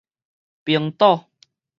冰島